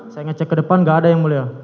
saya ngecek ke depan nggak ada yang mulia